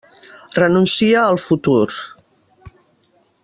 Renuncia al futur.